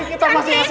eh kita masih sma